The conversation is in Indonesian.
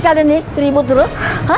kalian nih teribu terus